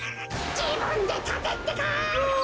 じぶんでたてってか！